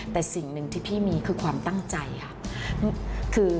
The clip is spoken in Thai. แต่สิ่งหนึ่งที่พี่มีคือความตั้งใจค่ะ